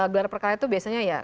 gelar perkara itu biasanya ya